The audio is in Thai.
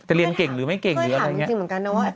จะเรียนเก่งหรือไม่เก่งหรืออะไรอย่างนี้